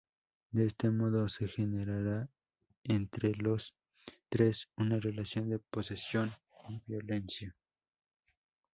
De este modo se generará entre los tres una relación de posesión y violencia.